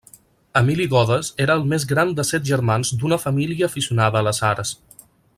Emili Godes era el més gran de set germans d'una família aficionada a les arts.